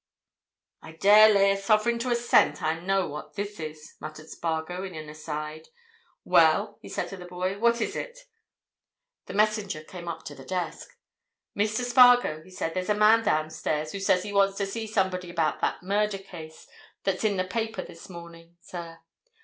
"I dare lay a sovereign to a cent that I know what this is," muttered Spargo in an aside. "Well?" he said to the boy. "What is it?" The messenger came up to the desk. "Mr. Spargo," he said, "there's a man downstairs who says that he wants to see somebody about that murder case that's in the paper this morning, sir.